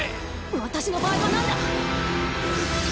私の場合は何だ？